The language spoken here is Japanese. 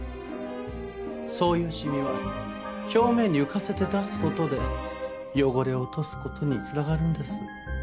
そういう染みは表面に浮かせて出す事で汚れを落とす事に繋がるんです。